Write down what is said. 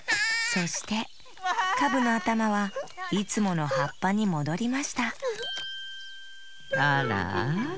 そしてカブのあたまはいつものはっぱにもどりましたあらあら。